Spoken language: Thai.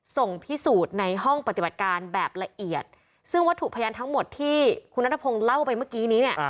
ส่งพิสูจน์ในห้องปฏิบัติการแบบละเอียดซึ่งวัตถุพยานทั้งหมดที่คุณนัทพงศ์เล่าไปเมื่อกี้นี้เนี่ย